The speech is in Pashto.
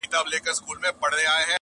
ستا تر پوهي مي خپل نیم عقل په کار دی٫